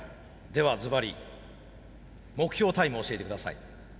ではずばり目標タイムを教えて下さい。